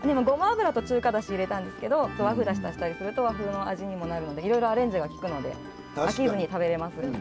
ごま油と中華だし入れたんですけど和風だし足したりすると和風の味にもなるのでいろいろアレンジがきくので飽きずに食べれます。